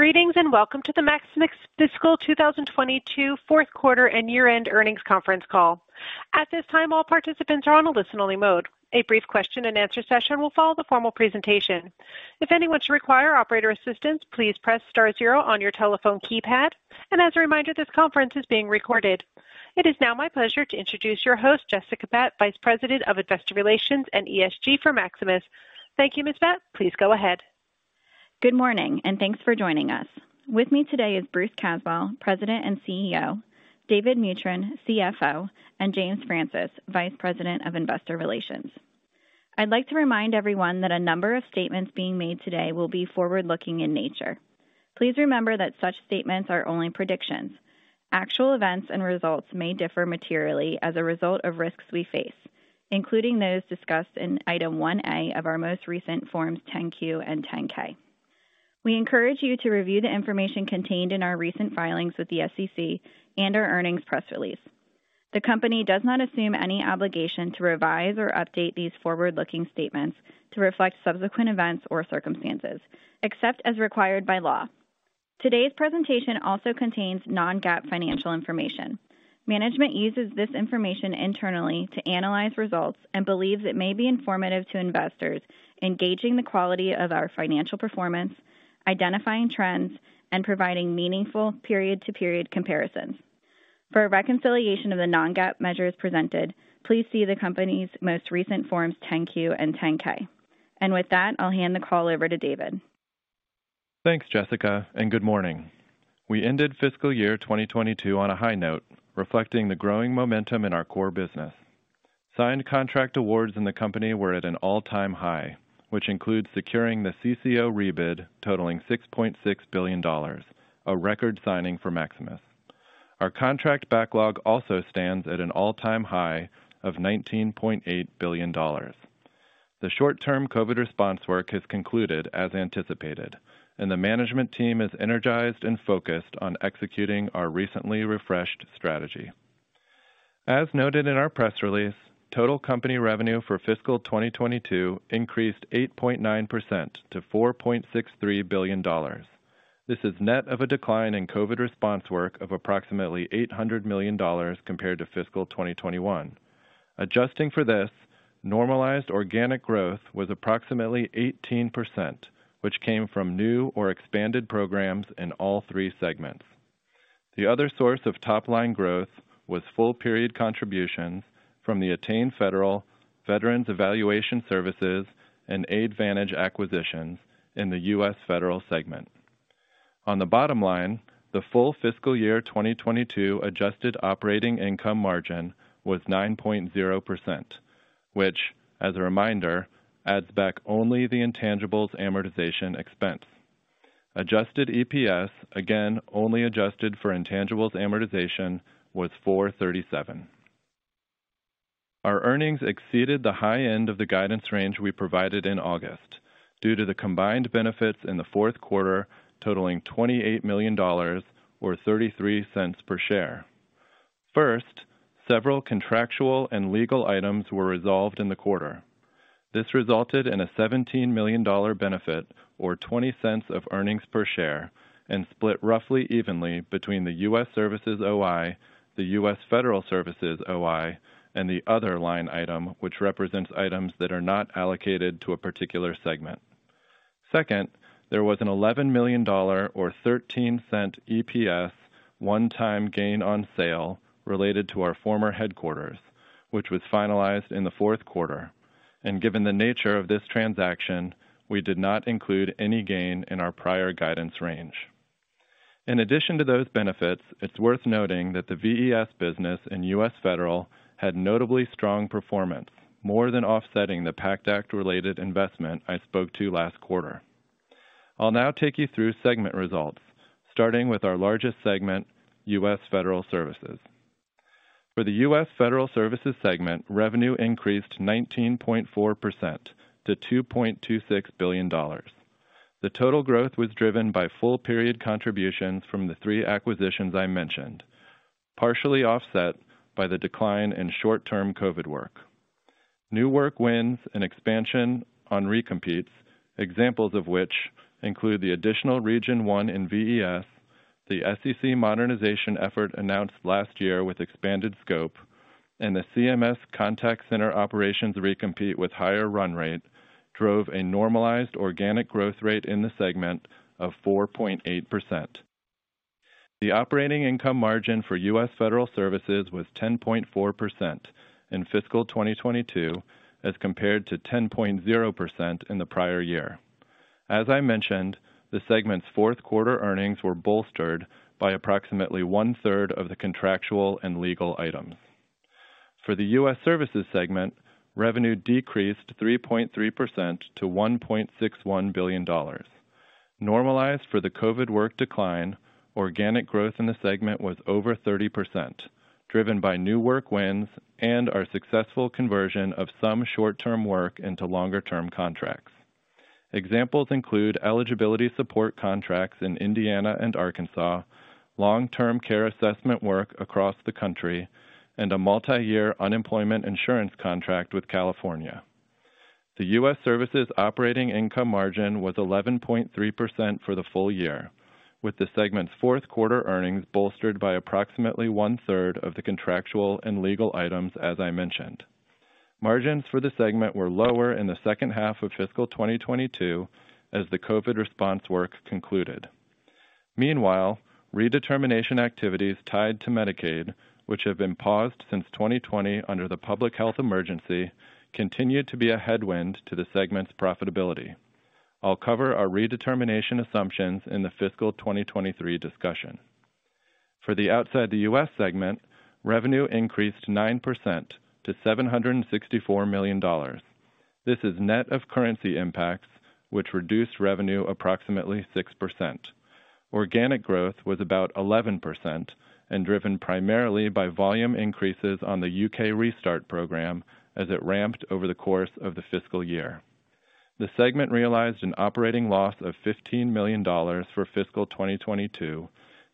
Greetings, welcome to the Maximus Fiscal 2022 fourth quarter and year-end earnings conference call. At this time, all participants are on a listen-only mode. A brief question-and-answer session will follow the formal presentation. If anyone should require operator assistance, please press star zero on your telephone keypad. As a reminder, this conference is being recorded. It is now my pleasure to introduce your host, Jessica Batt, Vice President of Investor Relations and ESG for Maximus. Thank you, Ms. Batt. Please go ahead. Good morning, and thanks for joining us. With me today is Bruce Caswell, President and CEO, David Mutryn, CFO, and James Francis, Vice President of Investor Relations. I'd like to remind everyone that a number of statements being made today will be forward-looking in nature. Please remember that such statements are only predictions. Actual events and results may differ materially as a result of risks we face, including those discussed in Item 1-A of our most recent Forms 10-Q and 10-K. We encourage you to review the information contained in our recent filings with the SEC and our earnings press release. The company does not assume any obligation to revise or update these forward-looking statements to reflect subsequent events or circumstances, except as required by law. Today's presentation also contains non-GAAP financial information. Management uses this information internally to analyze results and believes it may be informative to investors in gauging the quality of our financial performance, identifying trends, and providing meaningful period-to-period comparisons. For a reconciliation of the non-GAAP measures presented, please see the company's most recent Forms 10-Q and 10-K. With that, I'll hand the call over to David. Thanks, Jessica, and good morning. We ended fiscal year 2022 on a high note, reflecting the growing momentum in our core business. Signed contract awards in the company were at an all-time high, which includes securing the CCO rebid totaling $6.6 billion, a record signing for Maximus. Our contract backlog also stands at an all-time high of $19.8 billion. The short-term COVID response work has concluded as anticipated, and the management team is energized and focused on executing our recently refreshed strategy. As noted in our press release, total company revenue for fiscal 2022 increased 8.9% to $4.63 billion. This is net of a decline in COVID response work of approximately $800 million compared to fiscal 2021. Adjusting for this, normalized organic growth was approximately 18%, which came from new or expanded programs in all three segments. The other source of top-line growth was full period contributions from the Attain Federal, Veterans Evaluation Services, and Aidvantage acquisitions in the U.S. Federal segment. On the bottom line, the full fiscal year 2022 adjusted operating income margin was 9.0%, which, as a reminder, adds back only the intangibles amortization expense. Adjusted EPS, again, only adjusted for intangibles amortization, was $4.37. Our earnings exceeded the high end of the guidance range we provided in August due to the combined benefits in the fourth quarter totaling $28 million or $0.33 per share. First, several contractual and legal items were resolved in the quarter. This resulted in a $17 million benefit or $0.20 of earnings per share and split roughly evenly between the U.S. Services OI, the U.S. Federal Services OI, and the Other line item, which represents items that are not allocated to a particular segment. Second, there was an $11 million or $0.13 EPS one-time gain on sale related to our former headquarters, which was finalized in the fourth quarter. Given the nature of this transaction, we did not include any gain in our prior guidance range. In addition to those benefits, it's worth noting that the VES business in U.S. Federal had notably strong performance, more than offsetting the PACT Act related investment I spoke to last quarter. I'll now take you through segment results, starting with our largest segment, U.S. Federal Services. For the U.S. Federal Services segment, revenue increased 19.4% to $2.26 billion. The total growth was driven by full period contributions from the three acquisitions I mentioned, partially offset by the decline in short-term COVID work. New work wins and expansion on recompetes, examples of which include the additional Region One in VES, the SEC modernization effort announced last year with expanded scope, and the CMS Contact Center Operations recompete with higher run rate drove a normalized organic growth rate in the segment of 4.8%. The operating income margin for U.S. Federal Services was 10.4% in fiscal 2022 as compared to 10.0% in the prior year. As I mentioned, the segment's fourth quarter earnings were bolstered by approximately 1/3 of the contractual and legal items. For the U.S. Services segment, revenue decreased 3.3% to $1.61 billion. Normalized for the COVID work decline, organic growth in the segment was over 30%, driven by new work wins and our successful conversion of some short-term work into longer term contracts. Examples include eligibility support contracts in Indiana and Arkansas, long-term care assessment work across the country, and a multi-year unemployment insurance contract with California. The U.S. Services operating income margin was 11.3% for the full year, with the segment's fourth quarter earnings bolstered by approximately 1/3 of the contractual and legal items, as I mentioned. Margins for the segment were lower in the second half of fiscal 2022 as the COVID response work concluded. Meanwhile, redetermination activities tied to Medicaid, which have been paused since 2020 under the public health emergency, continue to be a headwind to the segment's profitability. I'll cover our redetermination assumptions in the fiscal 2023 discussion. For the Outside the U.S. segment, revenue increased 9% to $764 million. This is net of currency impacts, which reduced revenue approximately 6%. Organic growth was about 11% and driven primarily by volume increases on the Restart Scheme program as it ramped over the course of the fiscal year. The segment realized an operating loss of $15 million for fiscal 2022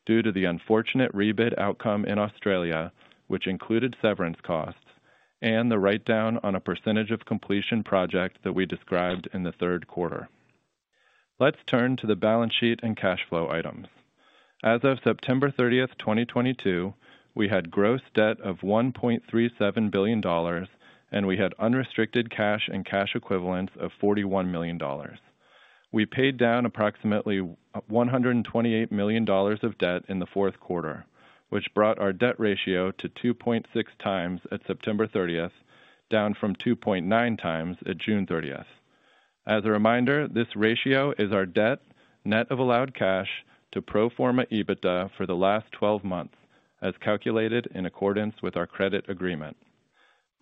due to the unfortunate rebid outcome in Australia, which included severance costs and the write-down on a percentage of completion project that we described in the third quarter. Let's turn to the balance sheet and cash flow items. As of September 30th, 2022, we had gross debt of $1.37 billion, and we had unrestricted cash and cash equivalents of $41 million. We paid down approximately $128 million of debt in the fourth quarter, which brought our debt ratio to 2.6x at September 30th, down from 2.9x at June 30th. As a reminder, this ratio is our debt, net of allowed cash, to pro forma EBITDA for the last 12 months, as calculated in accordance with our credit agreement.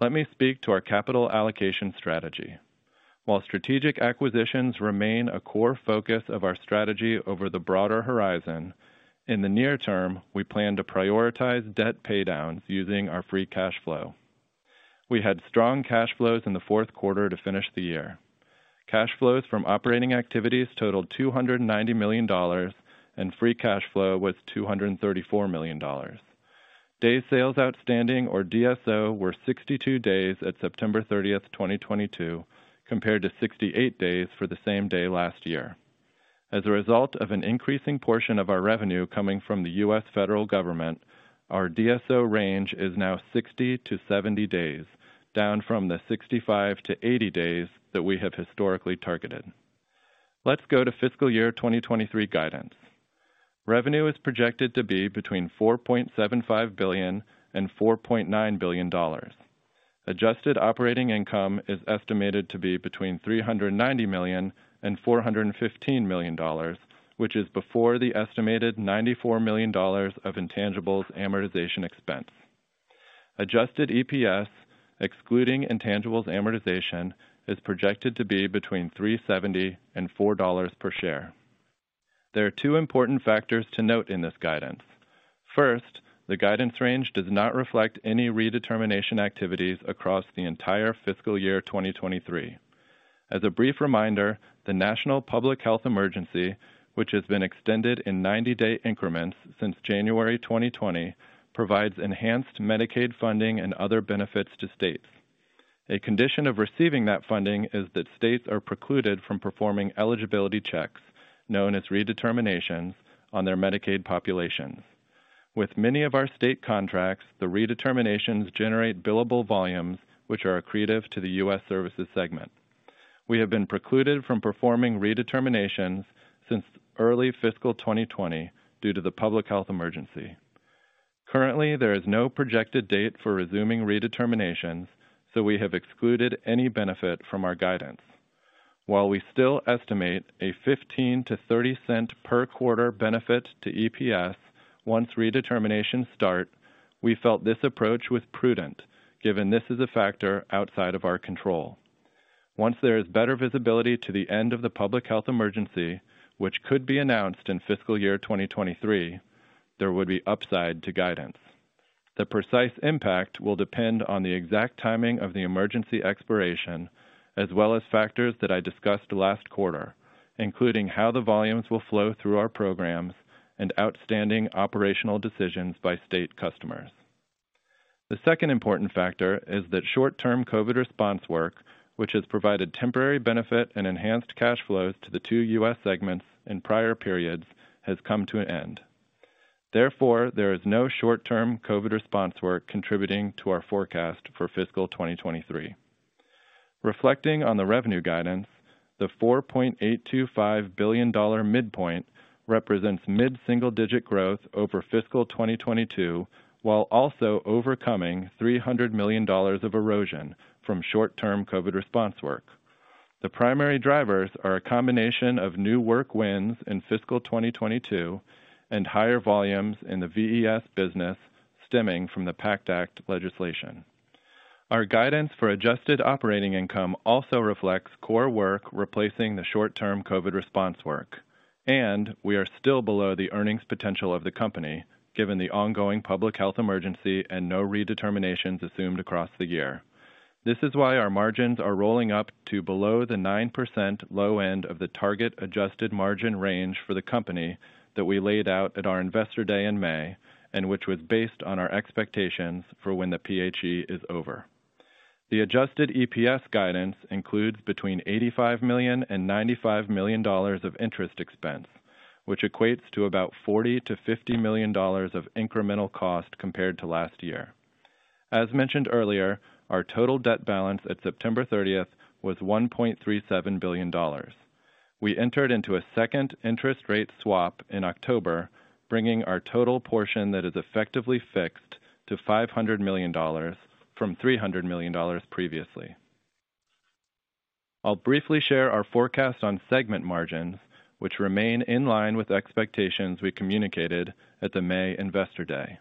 Let me speak to our capital allocation strategy. While strategic acquisitions remain a core focus of our strategy over the broader horizon, in the near term, we plan to prioritize debt paydowns using our free cash flow. We had strong cash flows in the fourth quarter to finish the year. Cash flows from operating activities totaled $290 million, and free cash flow was $234 million. Days sales outstanding, or DSO, were 62 days at September 30th, 2022, compared to 68 days for the same day last year. As a result of an increasing portion of our revenue coming from the U.S. federal government, our DSO range is now 60-70 days, down from the 65-80 days that we have historically targeted. Let's go to fiscal year 2023 guidance. Revenue is projected to be between $4.75 billion and $4.9 billion. Adjusted operating income is estimated to be between $390 million and $415 million, which is before the estimated $94 million of intangibles amortization expense. Adjusted EPS, excluding intangibles amortization, is projected to be between $3.70 and $4.00 per share. There are two important factors to note in this guidance. First, the guidance range does not reflect any redetermination activities across the entire fiscal year 2023. As a brief reminder, the national public health emergency, which has been extended in 90-day increments since January 2020, provides enhanced Medicaid funding and other benefits to states. A condition of receiving that funding is that states are precluded from performing eligibility checks, known as redeterminations, on their Medicaid populations. With many of our state contracts, the redeterminations generate billable volumes which are accretive to the U.S. Services segment. We have been precluded from performing redeterminations since early fiscal 2020 due to the public health emergency. Currently, there is no projected date for resuming redeterminations. We have excluded any benefit from our guidance. While we still estimate a $0.15-$0.30 per quarter benefit to EPS once redeterminations start, we felt this approach was prudent given this is a factor outside of our control. Once there is better visibility to the end of the public health emergency, which could be announced in fiscal year 2023, there would be upside to guidance. The precise impact will depend on the exact timing of the emergency expiration, as well as factors that I discussed last quarter, including how the volumes will flow through our programs and outstanding operational decisions by state customers. The second important factor is that short-term COVID response work, which has provided temporary benefit and enhanced cash flows to the two U.S. segments in prior periods, has come to an end. There is no short-term COVID response work contributing to our forecast for fiscal 2023. Reflecting on the revenue guidance, the $4.825 billion midpoint represents mid-single digit growth over fiscal 2022, while also overcoming $300 million of erosion from short-term COVID response work. The primary drivers are a combination of new work wins in fiscal 2022 and higher volumes in the VES business stemming from the PACT Act legislation. Our guidance for adjusted operating income also reflects core work replacing the short-term COVID response work, and we are still below the earnings potential of the company, given the ongoing public health emergency and no redeterminations assumed across the year. This is why our margins are rolling up to below the 9% low end of the target adjusted margin range for the company that we laid out at our Investor Day in May, which was based on our expectations for when the PHE is over. The adjusted EPS guidance includes between $85 million and $95 million of interest expense, which equates to about $40 million-$50 million of incremental cost compared to last year. As mentioned earlier, our total debt balance at September 30th was $1.37 billion. We entered into a second interest rate swap in October, bringing our total portion that is effectively fixed to $500 million from $300 million previously. I'll briefly share our forecast on segment margins, which remain in line with expectations we communicated at the May Investor Day.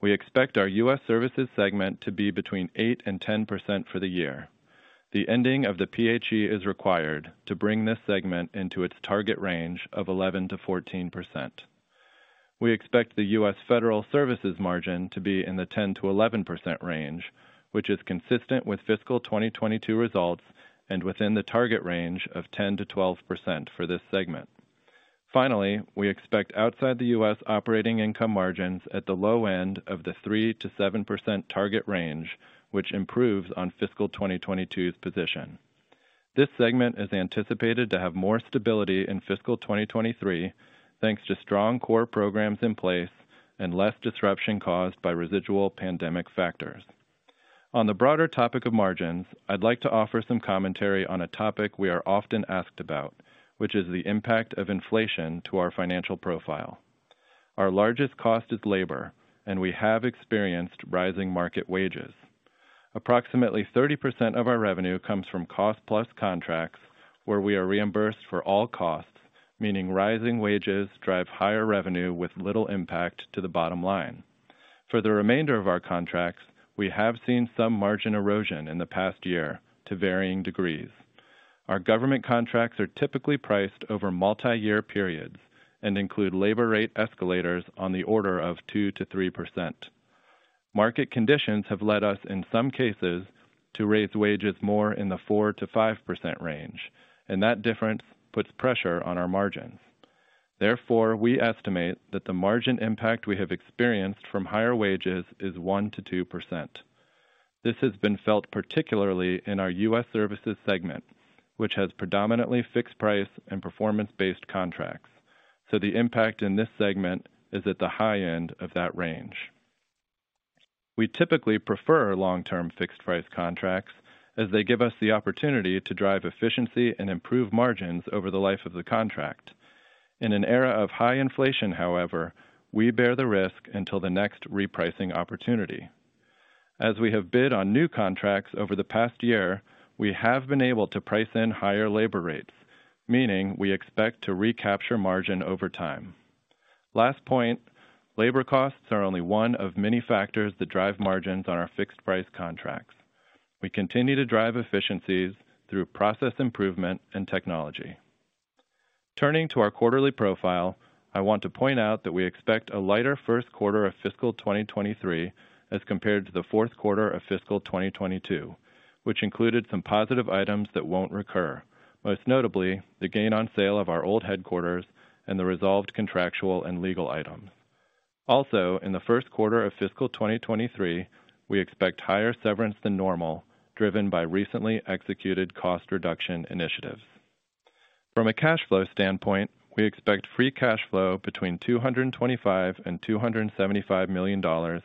We expect our U.S. Services segment to be between 8%-10% for the year. The ending of the PHE is required to bring this segment into its target range of 11%-14%. We expect the U.S. Federal Services margin to be in the 10%-11% range, which is consistent with fiscal 2022 results and within the target range of 10%-12% for this segment. Finally, we expect Outside the U.S. operating income margins at the low end of the 3%-7% target range, which improves on fiscal 2022's position. This segment is anticipated to have more stability in fiscal 2023, thanks to strong core programs in place and less disruption caused by residual pandemic factors. On the broader topic of margins, I'd like to offer some commentary on a topic we are often asked about, which is the impact of inflation to our financial profile. Our largest cost is labor, and we have experienced rising market wages. Approximately 30% of our revenue comes from cost-plus contracts where we are reimbursed for all costs, meaning rising wages drive higher revenue with little impact to the bottom line. For the remainder of our contracts, we have seen some margin erosion in the past year to varying degrees. Our government contracts are typically priced over multi-year periods and include labor rate escalators on the order of 2%-3%. Market conditions have led us, in some cases, to raise wages more in the 4%-5% range. That difference puts pressure on our margins. Therefore, we estimate that the margin impact we have experienced from higher wages is 1%-2%. This has been felt particularly in our U.S. Services segment, which has predominantly fixed-price and performance-based contracts, so the impact in this segment is at the high end of that range. We typically prefer long-term fixed-price contracts as they give us the opportunity to drive efficiency and improve margins over the life of the contract. In an era of high inflation, however, we bear the risk until the next repricing opportunity. As we have bid on new contracts over the past year, we have been able to price in higher labor rates, meaning we expect to recapture margin over time. Last point, labor costs are only one of many factors that drive margins on our fixed-price contracts. We continue to drive efficiencies through process improvement and technology. Turning to our quarterly profile, I want to point out that we expect a lighter first quarter of fiscal 2023 as compared to the fourth quarter of fiscal 2022, which included some positive items that won't recur, most notably the gain on sale of our old headquarters and the resolved contractual and legal items. In the first quarter of fiscal 2023, we expect higher severance than normal, driven by recently executed cost reduction initiatives. From a cash flow standpoint, we expect free cash flow between $225 million and $275 million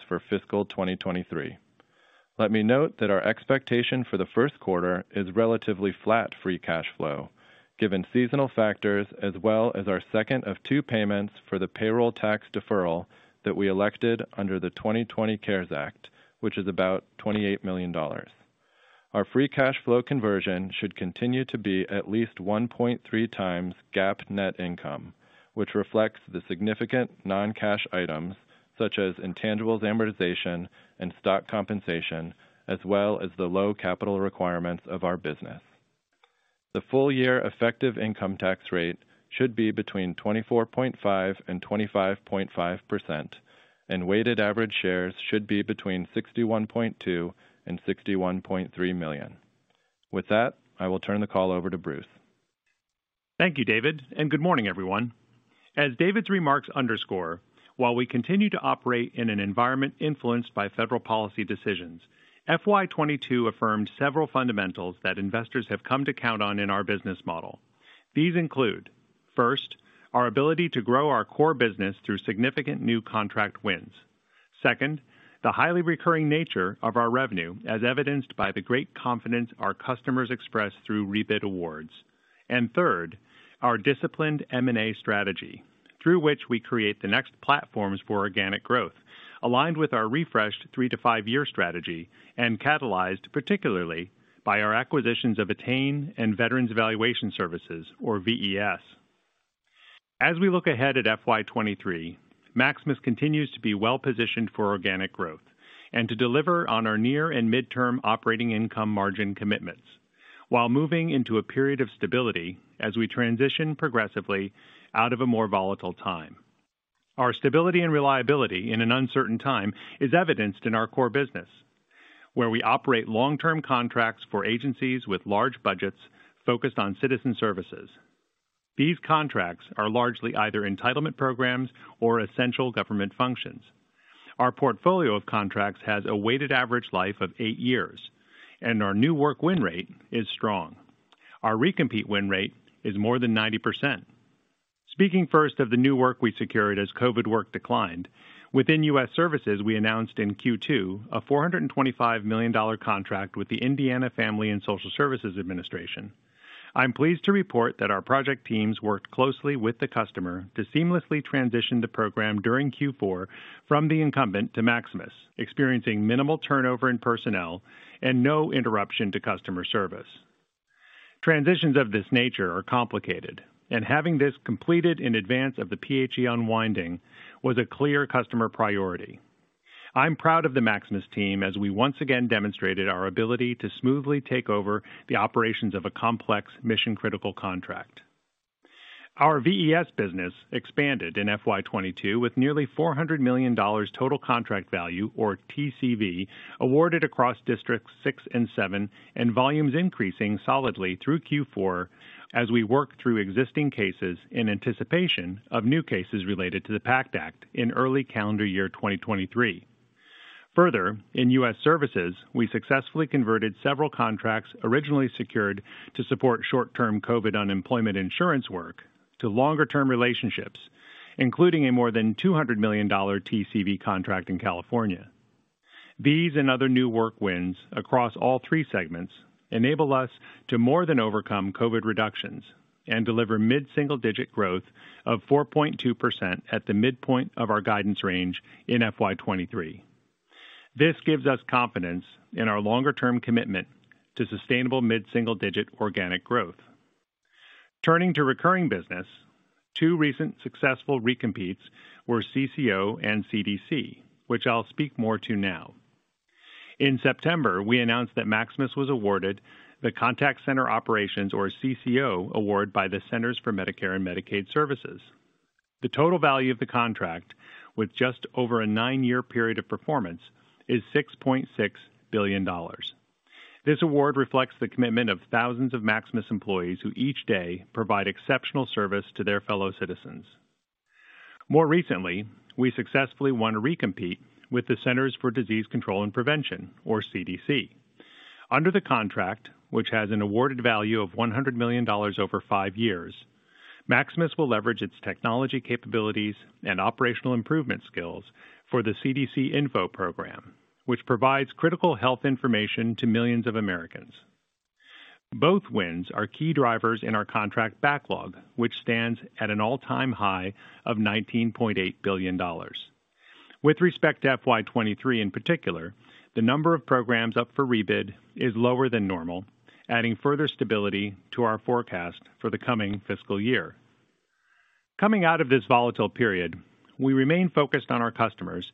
for fiscal 2023. Let me note that our expectation for the first quarter is relatively flat free cash flow, given seasonal factors as well as our second of two payments for the payroll tax deferral that we elected under the 2020 CARES Act, which is about $28 million. Our free cash flow conversion should continue to be at least 1.3x GAAP net income, which reflects the significant non-cash items such as intangibles amortization and stock compensation, as well as the low capital requirements of our business. The full year effective income tax rate should be between 24.5% and 25.5%, and weighted average shares should be between 61.2 million and 61.3 million. With that, I will turn the call over to Bruce. Thank you, David. Good morning, everyone. As David's remarks underscore, while we continue to operate in an environment influenced by federal policy decisions, FY 2022 affirmed several fundamentals that investors have come to count on in our business model. These include, first, our ability to grow our core business through significant new contract wins. Second, the highly recurring nature of our revenue, as evidenced by the great confidence our customers express through rebid awards. And third, our disciplined M&A strategy through which we create the next platforms for organic growth, aligned with our refreshed 3 to 5-year strategy and catalyzed particularly by our acquisitions of Attain and Veterans Evaluation Services or VES. As we look ahead at FY 2023, Maximus continues to be well positioned for organic growth and to deliver on our near and midterm operating income margin commitments while moving into a period of stability as we transition progressively out of a more volatile time. Our stability and reliability in an uncertain time is evidenced in our core business, where we operate long-term contracts for agencies with large budgets focused on citizen services. These contracts are largely either entitlement programs or essential government functions. Our portfolio of contracts has a weighted average life of eight years, and our new work win rate is strong. Our recompete win rate is more than 90%. Speaking first of the new work we secured as COVID work declined, within U.S. Services, we announced in Q2 a $425 million contract with the Indiana Family and Social Services Administration. I'm pleased to report that our project teams worked closely with the customer to seamlessly transition the program during Q4 from the incumbent to Maximus, experiencing minimal turnover in personnel and no interruption to customer service. Transitions of this nature are complicated, and having this completed in advance of the PHE unwinding was a clear customer priority. I'm proud of the Maximus team as we once again demonstrated our ability to smoothly take over the operations of a complex mission-critical contract. Our VES business expanded in FY 2022 with nearly $400 million total contract value or TCV awarded across districts 6 and 7 and volumes increasing solidly through Q4 as we work through existing cases in anticipation of new cases related to the PACT Act in early calendar year 2023. In U.S. Services, we successfully converted several contracts originally secured to support short-term COVID unemployment insurance work to longer-term relationships, including a more than $200 million TCV contract in California. These and other new work wins across all three segments enable us to more than overcome COVID reductions and deliver mid-single-digit growth of 4.2% at the midpoint of our guidance range in FY 2023. This gives us confidence in our longer-term commitment to sustainable mid-single-digit organic growth. Turning to recurring business, two recent successful recompetes were CCO and CDC, which I'll speak more to now. In September, we announced that Maximus was awarded the Contact Center Operations or CCO Award by the Centers for Medicare & Medicaid Services. The total value of the contract with just over a 9-year period of performance is $6.6 billion. This award reflects the commitment of thousands of Maximus employees who each day provide exceptional service to their fellow citizens. More recently, we successfully won a recompete with the Centers for Disease Control and Prevention, or CDC. Under the contract, which has an awarded value of $100 million over five years, Maximus will leverage its technology capabilities and operational improvement skills for the CDC-INFO program, which provides critical health information to millions of Americans. Both wins are key drivers in our contract backlog, which stands at an all-time high of $19.8 billion. With respect to FY 2023 in particular, the number of programs up for rebid is lower than normal, adding further stability to our forecast for the coming fiscal year. Coming out of this volatile period, we remain focused on our customers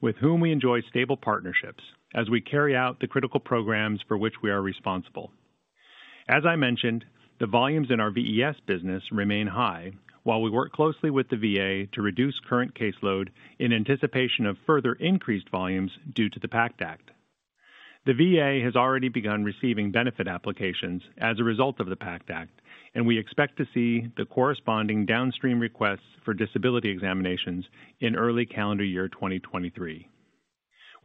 with whom we enjoy stable partnerships as we carry out the critical programs for which we are responsible. As I mentioned, the volumes in our VES business remain high while we work closely with the VA to reduce current caseload in anticipation of further increased volumes due to the PACT Act. The VA has already begun receiving benefit applications as a result of the PACT Act, and we expect to see the corresponding downstream requests for disability examinations in early calendar year 2023.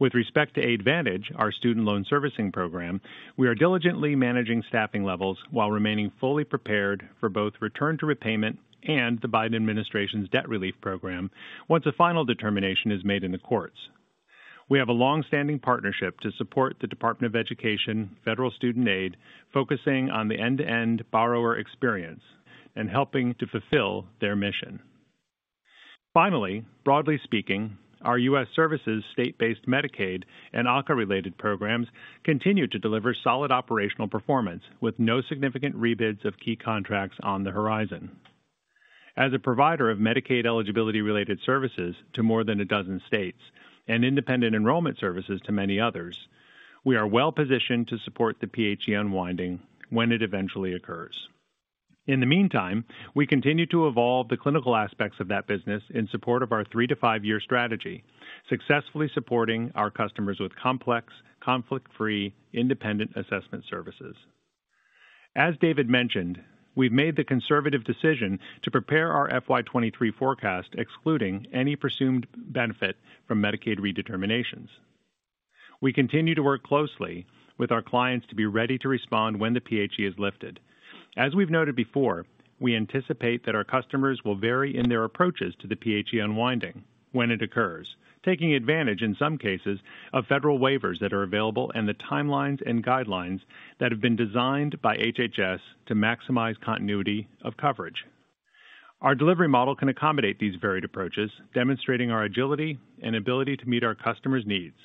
With respect to Aidvantage, our student loan servicing program, we are diligently managing staffing levels while remaining fully prepared for both return to repayment and the Biden administration's debt relief program once a final determination is made in the courts. We have a long-standing partnership to support the Department of Education Federal Student Aid, focusing on the end-to-end borrower experience and helping to fulfill their mission. Broadly speaking, our U.S. Services state-based Medicaid and ARPA-related programs continue to deliver solid operational performance with no significant rebids of key contracts on the horizon. As a provider of Medicaid eligibility-related services to more than a dozen states and independent enrollment services to many others, we are well-positioned to support the PHE unwinding when it eventually occurs. In the meantime, we continue to evolve the clinical aspects of that business in support of our3 to 5-year strategy, successfully supporting our customers with complex, conflict-free, independent assessment services. As David mentioned, we've made the conservative decision to prepare our FY 23 forecast excluding any presumed benefit from Medicaid redeterminations. We continue to work closely with our clients to be ready to respond when the PHE is lifted. We've noted before, we anticipate that our customers will vary in their approaches to the PHE unwinding when it occurs, taking advantage in some cases of federal waivers that are available and the timelines and guidelines that have been designed by HHS to maximize continuity of coverage. Our delivery model can accommodate these varied approaches, demonstrating our agility and ability to meet our customers' needs.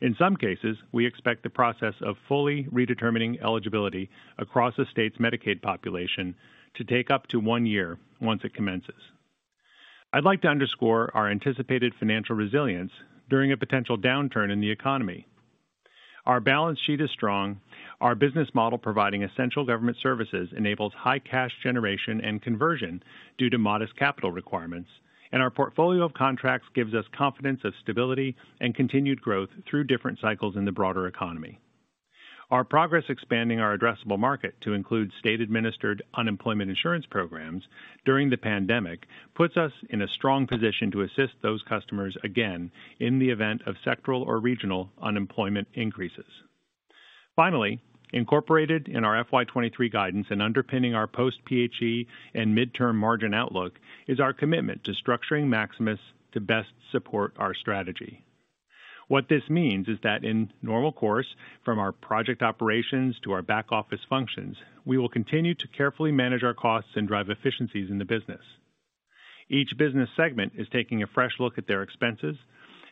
In some cases, we expect the process of fully redetermining eligibility across the state's Medicaid population to take up to one year once it commences. I'd like to underscore our anticipated financial resilience during a potential downturn in the economy. Our balance sheet is strong. Our business model providing essential government services enables high cash generation and conversion due to modest capital requirements. Our portfolio of contracts gives us confidence of stability and continued growth through different cycles in the broader economy. Our progress expanding our addressable market to include state administered unemployment insurance programs during the pandemic puts us in a strong position to assist those customers again in the event of sectoral or regional unemployment increases. Finally, incorporated in our FY23 guidance and underpinning our post-PHE and midterm margin outlook is our commitment to structuring Maximus to best support our strategy. What this means is that in normal course, from our project operations to our back-office functions, we will continue to carefully manage our costs and drive efficiencies in the business. Each business segment is taking a fresh look at their expenses,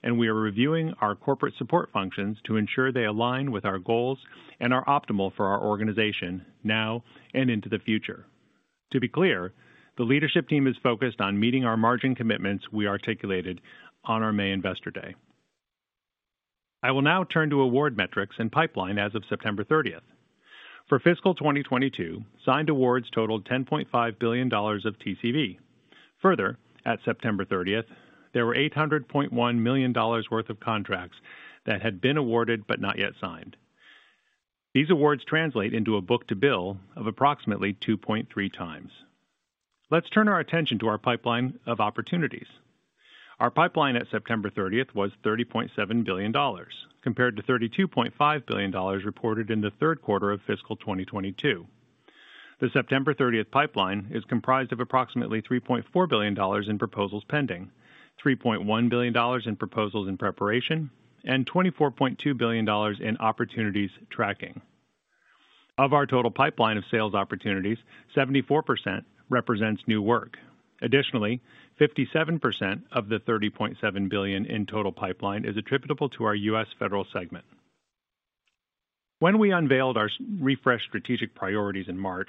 and we are reviewing our corporate support functions to ensure they align with our goals and are optimal for our organization now and into the future. To be clear, the leadership team is focused on meeting our margin commitments we articulated on our May Investor Day. I will now turn to award metrics and pipeline as of September 30th. For fiscal 2022, signed awards totaled $10.5 billion of TCV. Further, at September 30th, there were $800.1 million worth of contracts that had been awarded but not yet signed. These awards translate into a book-to-bill of approximately 2.3x. Let's turn our attention to our pipeline of opportunities. Our pipeline at September 30th was $30.7 billion, compared to $32.5 billion reported in the third quarter of fiscal 2022. The September 30th pipeline is comprised of approximately $3.4 billion in proposals pending, $3.1 billion in proposals in preparation, and $24.2 billion in opportunities tracking. Of our total pipeline of sales opportunities, 74% represents new work. Additionally, 57% of the $30.7 billion in total pipeline is attributable to our U.S. Federal segment. When we unveiled our refreshed strategic priorities in March,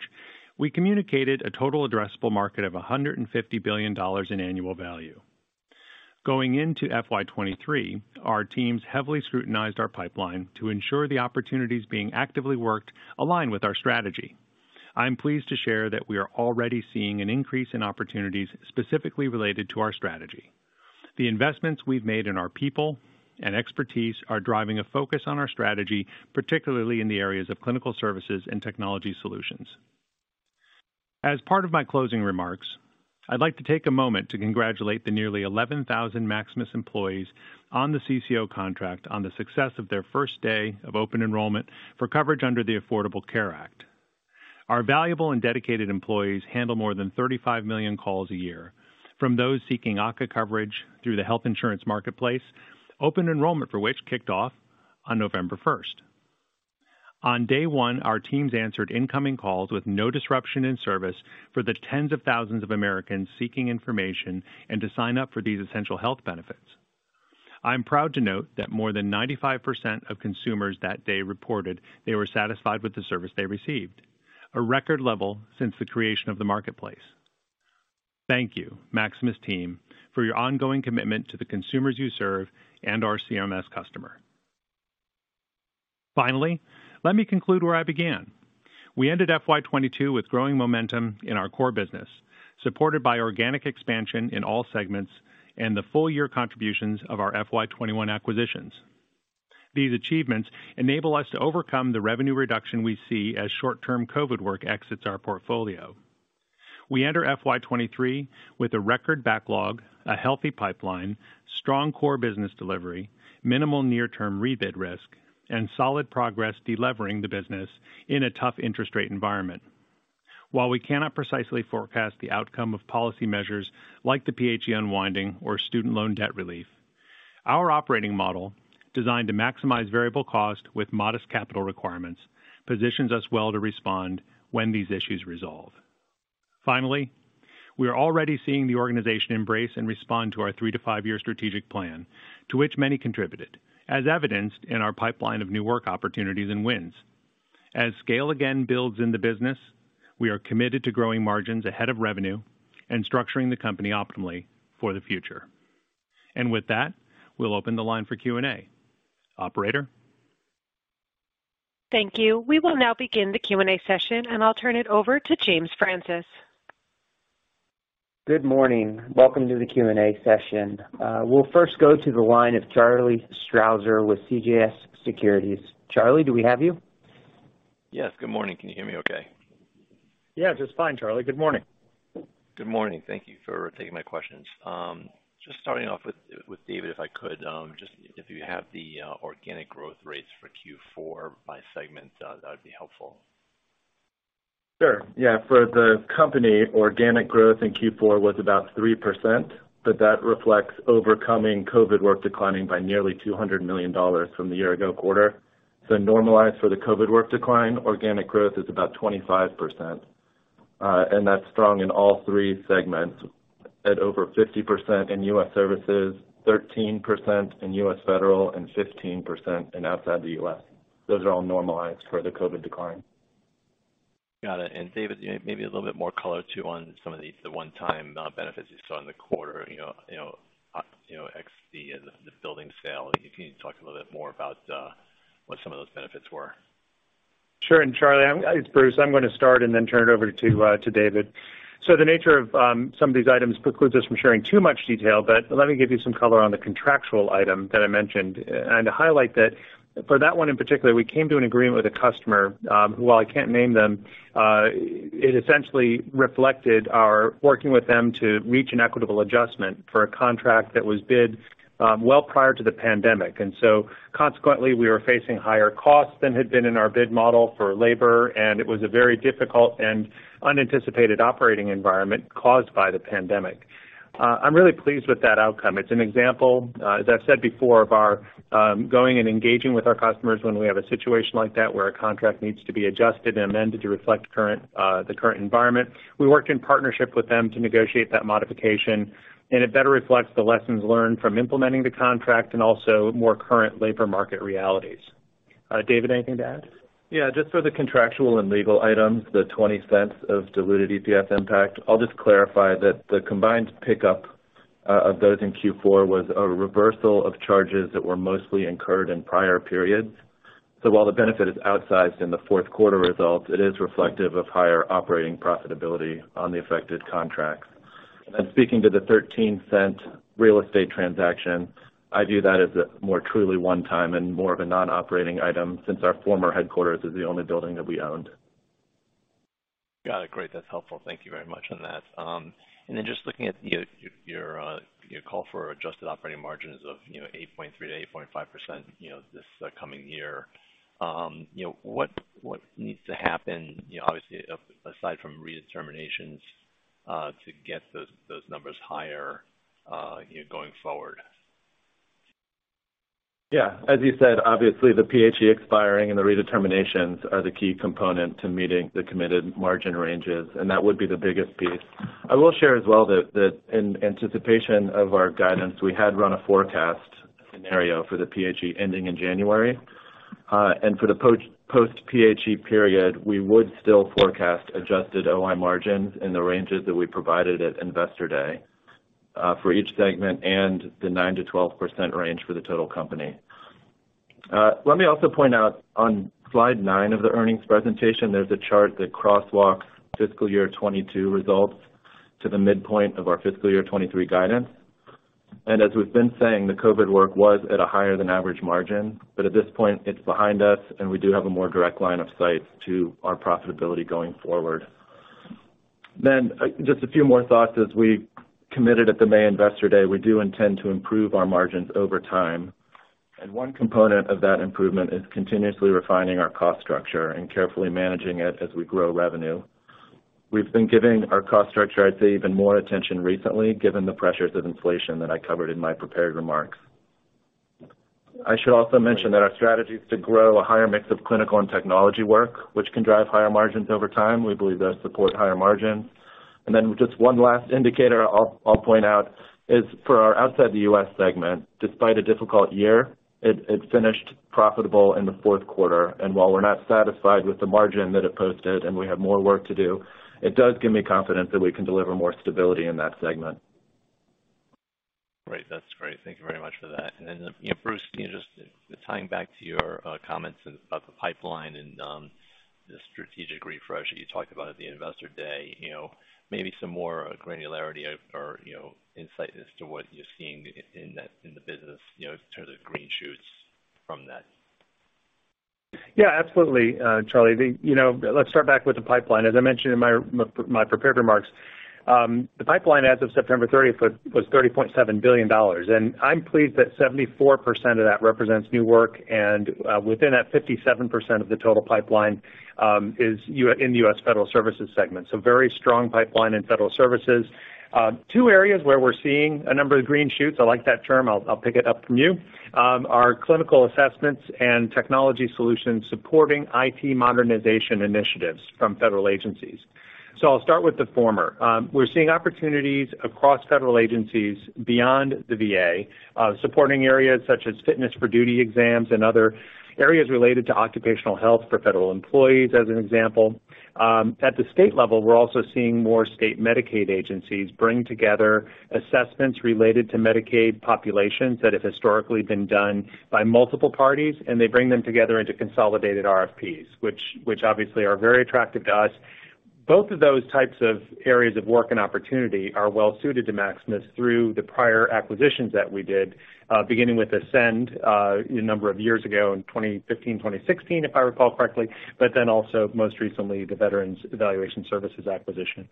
we communicated a total addressable market of $150 billion in annual value. Going into FY 2023, our teams heavily scrutinized our pipeline to ensure the opportunities being actively worked align with our strategy. I am pleased to share that we are already seeing an increase in opportunities specifically related to our strategy. The investments we've made in our people and expertise are driving a focus on our strategy, particularly in the areas of clinical services and technology solutions. As part of my closing remarks, I'd like to take a moment to congratulate the nearly 11,000 Maximus employees on the CCO contract on the success of their first day of open enrollment for coverage under the Affordable Care Act. Our valuable and dedicated employees handle more than 35 million calls a year from those seeking ACA coverage through the Health Insurance Marketplace, open enrollment for which kicked off on November 1st. On day one, our teams answered incoming calls with no disruption in service for the tens of thousands of Americans seeking information and to sign up for these essential health benefits. I'm proud to note that more than 95% of consumers that day reported they were satisfied with the service they received, a record level since the creation of the Marketplace. Thank you, Maximus team, for your ongoing commitment to the consumers you serve and our CMS customer. Let me conclude where I began. We ended FY 2022 with growing momentum in our core business, supported by organic expansion in all segments and the full-year contributions of our FY 2021 acquisitions. These achievements enable us to overcome the revenue reduction we see as short-term COVID work exits our portfolio. We enter FY 2023 with a record backlog, a healthy pipeline, strong core business delivery, minimal near-term rebid risk, and solid progress delivering the business in a tough interest rate environment. While we cannot precisely forecast the outcome of policy measures like the PHE unwinding or student loan debt relief, our operating model, designed to maximize variable cost with modest capital requirements, positions us well to respond when these issues resolve. We are already seeing the organization embrace and respond to our 3 to 5-year strategic plan, to which many contributed, as evidenced in our pipeline of new work opportunities and wins. Scale again builds in the business, we are committed to growing margins ahead of revenue and structuring the company optimally for the future. With that, we'll open the line for Q&A. Operator? Thank you. We will now begin the Q&A session, and I'll turn it over to James Francis. Good morning. Welcome to the Q&A session. We'll first go to the line of Charles Strauzer with CJS Securities. Charlie, do we have you? Yes, good morning. Can you hear me okay? Yeah, just fine, Charles. Good morning. Good morning. Thank you for taking my questions. Just starting off with David, if I could, just if you have the organic growth rates for Q4 by segment, that would be helpful? Sure, yeah. For the company, organic growth in Q4 was about 3%, but that reflects overcoming Covid work declining by nearly $200 million from the year ago quarter. Normalized for the Covid work decline, organic growth is about 25%. That's strong in all three segments at over 50% in U.S. Services, 13% in U.S. Federal, and 15% in Outside the U.S. Those are all normalized for the Covid decline. Got it. David, maybe a little bit more color, too, on some of these, the one-time benefits you saw in the quarter, you know, XD and the building sale. Can you talk a little bit more about what some of those benefits were? Sure. Charles, it's Bruce. I'm gonna start and then turn it over to David. The nature of some of these items precludes us from sharing too much detail, but let me give you some color on the contractual item that I mentioned and highlight that for that one in particular, we came to an agreement with a customer, who, while I can't name them, it essentially reflected our working with them to reach an equitable adjustment for a contract that was bid, well prior to the pandemic. Consequently, we were facing higher costs than had been in our bid model for labor, and it was a very difficult and unanticipated operating environment caused by the pandemic. I'm really pleased with that outcome. It's an example, as I've said before, of our going and engaging with our customers when we have a situation like that where a contract needs to be adjusted and amended to reflect the current environment. We worked in partnership with them to negotiate that modification. It better reflects the lessons learned from implementing the contract and also more current labor market realities. David, anything to add? Just for the contractual and legal items, the $0.20 of diluted EPS impact, I'll just clarify that the combined pickup of those in Q4 was a reversal of charges that were mostly incurred in prior periods. While the benefit is outsized in the fourth quarter results, it is reflective of higher operating profitability on the affected contracts. Speaking to the $0.13 real estate transaction, I view that as a more truly one-time and more of a non-operating item since our former headquarters is the only building that we owned. Got it. Great. That's helpful. Thank you very much on that. Just looking at your call for adjusted operating margins of, you know, 8.3%-8.5%, you know, this coming year, you know, what needs to happen, you know, obviously aside from redeterminations, to get those numbers higher, you know, going forward? Yeah. As you said, obviously the PHE expiring and the redeterminations are the key component to meeting the committed margin ranges, and that would be the biggest piece. I will share as well that in anticipation of our guidance, we had run a forecast scenario for the PHE ending in January. For the post-PHE period, we would still forecast adjusted OI margins in the ranges that we provided at Investor Day for each segment and the 9%-12% range for the total company. Let me also point out on slide nine of the earnings presentation, there's a chart that crosswalks fiscal year 2022 results to the midpoint of our fiscal year 2023 guidance. As we've been saying, the COVID work was at a higher than average margin. At this point, it's behind us, and we do have a more direct line of sight to our profitability going forward. Just a few more thoughts. As we committed at the May Investor Day, we do intend to improve our margins over time, and one component of that improvement is continuously refining our cost structure and carefully managing it as we grow revenue. We've been giving our cost structure, I'd say, even more attention recently, given the pressures of inflation that I covered in my prepared remarks. I should also mention that our strategies to grow a higher mix of clinical and technology work, which can drive higher margins over time, we believe does support higher margins. Just one last indicator I'll point out is for our Outside the U.S. segment, despite a difficult year, it finished profitable in the fourth quarter. While we're not satisfied with the margin that it posted and we have more work to do, it does give me confidence that we can deliver more stability in that segment. Great. That's great. Thank you very much for that. You know, Bruce, can you just, tying back to your comments and about the pipeline and the strategic refresh that you talked about at the Investor Day, you know, maybe some more granularity or, you know, insight as to what you're seeing in that, in the business, you know, in terms of green shoots from that? Yeah, absolutely, Charles. You know, let's start back with the pipeline. As I mentioned in my prepared remarks, the pipeline as of September 30th was $30.7 billion. I'm pleased that 74% of that represents new work, and within that 57% of the total pipeline is in the U.S. Federal Services segment. Very strong pipeline in Federal Services. Two areas where we're seeing a number of green shoots, I like that term, I'll pick it up from you, are clinical assessments and technology solutions supporting IT modernization initiatives from federal agencies. I'll start with the former. We're seeing opportunities across federal agencies beyond the VA, supporting areas such as fitness for duty exams and other areas related to occupational health for federal employees, as an example. At the state level, we're also seeing more state Medicaid agencies bring together assessments related to Medicaid populations that have historically been done by multiple parties, and they bring them together into consolidated RFPs, which obviously are very attractive to us. Both of those types of areas of work and opportunity are well suited to Maximus through the prior acquisitions that we did, beginning with Ascend, a number of years ago in 2015, 2016, if I recall correctly, but then also most recently, the Veterans Evaluation Services acquisition.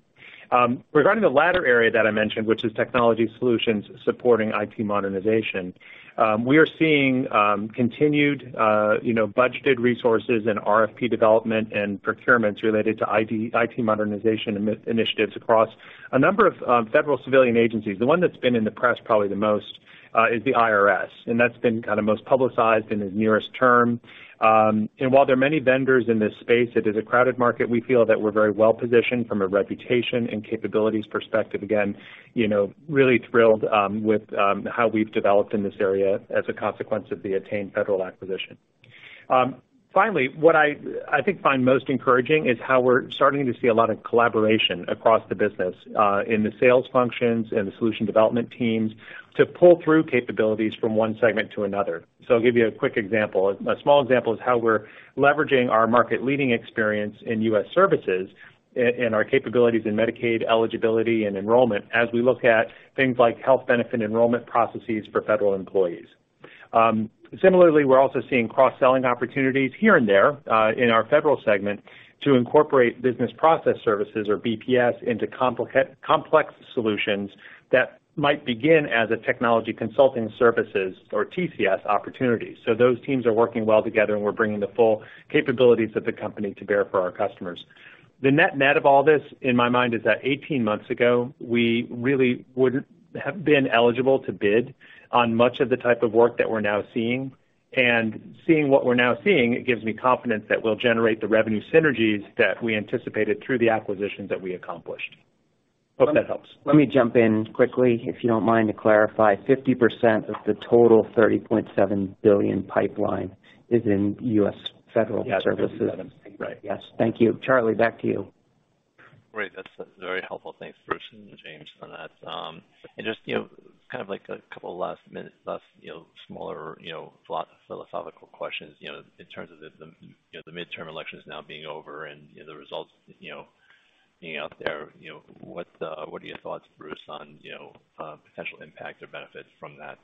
Regarding the latter area that I mentioned, which is technology solutions supporting IT modernization, we are seeing continued, you know, budgeted resources and RFP development and procurements related to IT modernization initiatives across a number of federal civilian agencies. The one that's been in the press probably the most is the IRS. That's been kind of most publicized in the nearest term. While there are many vendors in this space, it is a crowded market. We feel that we're very well positioned from a reputation and capabilities perspective. Again, you know, really thrilled with how we've developed in this area as a consequence of the Attain Federal acquisition. Finally, what I think find most encouraging is how we're starting to see a lot of collaboration across the business in the sales functions and the solution development teams to pull through capabilities from one segment to another. I'll give you a quick example. A small example is how we're leveraging our market-leading experience in U.S. Services and our capabilities in Medicaid eligibility and enrollment as we look at things like health benefit enrollment processes for federal employees. Similarly, we're also seeing cross-selling opportunities here and there in our federal segment to incorporate business process services or BPS into complex solutions that might begin as a technology consulting services or TCS opportunities. Those teams are working well together, and we're bringing the full capabilities of the company to bear for our customers. The net-net of all this, in my mind, is that 18 months ago, we really wouldn't have been eligible to bid on much of the type of work that we're now seeing. Seeing what we're now seeing, it gives me confidence that we'll generate the revenue synergies that we anticipated through the acquisitions that we accomplished. Hope that helps. Let me jump in quickly, if you don't mind, to clarify. 50% of the total $30.7 billion pipeline is in U.S. Federal Services. Yes. Right. Yes. Thank you. Charles, back to you. Great. That's very helpful. Thanks, Bruce and James on that. Just, you know, kind of like a couple last minute left, you know, smaller, you know, philosophical questions, you know, in terms of the, you know, the midterm elections now being over and, you know, the results, you know, being out there, you know. What are your thoughts, Bruce, on, you know, potential impact or benefit from that?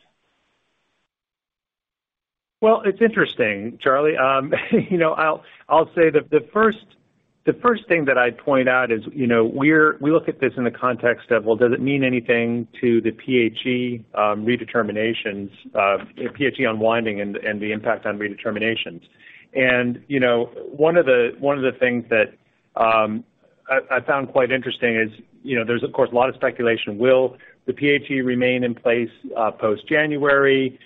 Well, it's interesting, Charlie. You know, I'll say that the first thing that I'd point out is, you know, we look at this in the context of, well, does it mean anything to the PHE redeterminations, PHE unwinding and the impact on redeterminations. You know, one of the things that I found quite interesting is, you know, there's of course a lot of speculation. Will the PHE remain in place post January?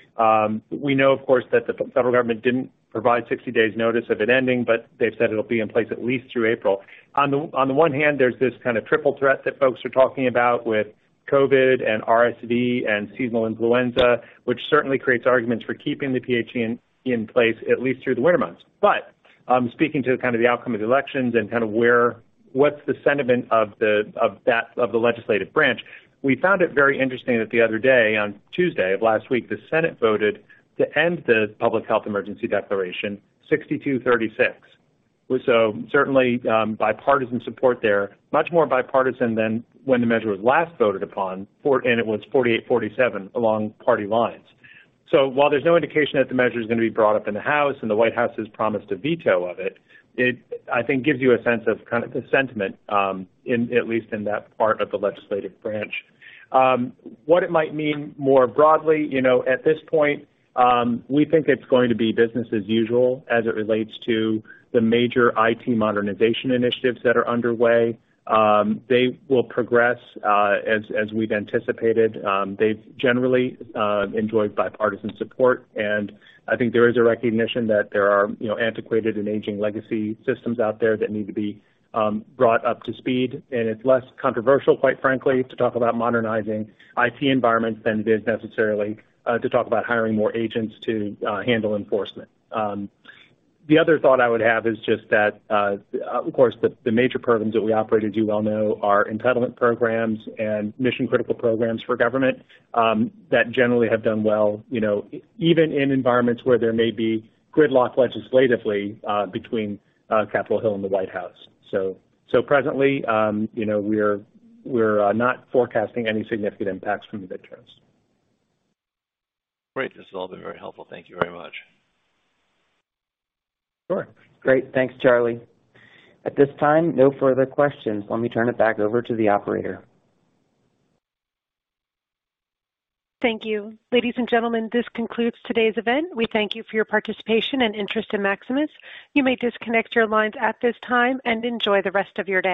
We know, of course, that the federal government didn't provide 60 days notice of it ending, but they've said it'll be in place at least through April. On the one hand, there's this kind of triple threat that folks are talking about with COVID and RSV and seasonal influenza, which certainly creates arguments for keeping the PHE in place at least through the winter months. Speaking to kind of the outcome of the elections and kind of what's the sentiment of the legislative branch, we found it very interesting that the other day, on Tuesday of last week, the Senate voted to end the public health emergency declaration 62-36. Certainly, bipartisan support there, much more bipartisan than when the measure was last voted upon, and it was 48-47 along party lines. While there's no indication that the measure is gonna be brought up in the House and the White House has promised a veto of it, I think, gives you a sense of kind of the sentiment at least in that part of the legislative branch. What it might mean more broadly, you know, at this point, we think it's going to be business as usual as it relates to the major IT modernization initiatives that are underway. They will progress as we've anticipated. They've generally enjoyed bipartisan support, and I think there is a recognition that there are, you know, antiquated and aging legacy systems out there that need to be brought up to speed. It's less controversial, quite frankly, to talk about modernizing IT environments than it is necessarily to talk about hiring more agents to handle enforcement. The other thought I would have is just that, of course, the major programs that we operate, as you well know, are entitlement programs and mission-critical programs for government that generally have done well, you know, even in environments where there may be gridlock legislatively between Capitol Hill and the White House. Presently, you know, we're not forecasting any significant impacts from the midterms. Great. This has all been very helpful. Thank you very much. Sure. Great. Thanks, Charles. At this time, no further questions. Let me turn it back over to the operator. Thank you. Ladies and gentlemen, this concludes today's event. We thank you for your participation and interest in Maximus. You may disconnect your lines at this time and enjoy the rest of your day.